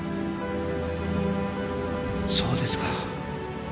そうですか。